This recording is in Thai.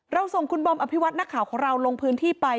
ส่งคุณบอมอภิวัตนักข่าวของเราลงพื้นที่ไป